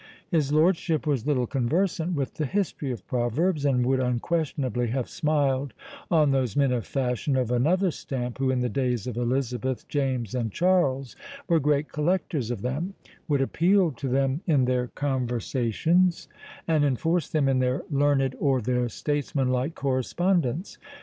His lordship was little conversant with the history of proverbs, and would unquestionably have smiled on those "men of fashion" of another stamp, who, in the days of Elizabeth, James, and Charles, were great collectors of them; would appeal to them in their conversations, and enforce them in their learned or their statesmanlike correspondence.